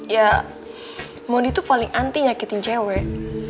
ya mondi tuh paling anti nyakitin cewek